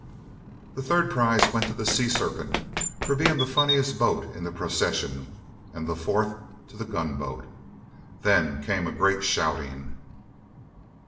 The third prize went to the "Sea serpent," for being the funniest boat in the procession; and the fourth to the gunboat. Then came a great shouting!